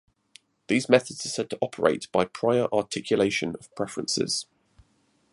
These methods are said to operate by prior articulation of preferences.